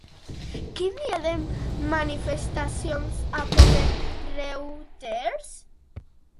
Quin dia de manifestacions ha cobert Reuters?